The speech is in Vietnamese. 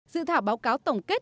dự thảo báo cáo tổng kết